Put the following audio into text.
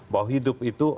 bahwa hidup itu